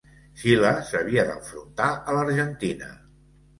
Xile s'havia d'enfrontar a l'Argentina.